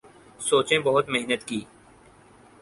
سوچیں بہت محنت کی